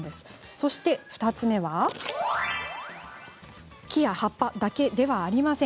そして、２つ目は木や葉っぱだけではありません。